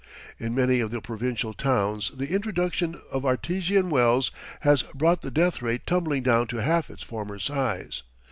In many of the provincial towns the introduction of artesian wells has brought the death rate tumbling down to half its former size.